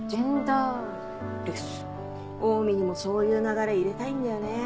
オウミにもそういう流れ入れたいんだよね。